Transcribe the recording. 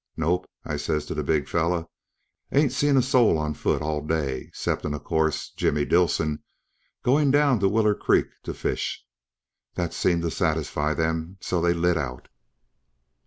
"... Nope, I says to the big feller, ain't seen a soul on foot all day, 'ceptin' o'course, Jimmy Dilson, goin' down t'Willer Creek, t'fish. That seemed t'satisfy them so they lit out."